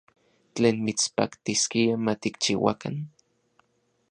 ¿Tlen mitspaktiskia matikchiuakan?